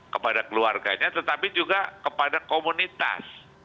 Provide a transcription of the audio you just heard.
kepada keluarganya tetapi juga kepada komunitas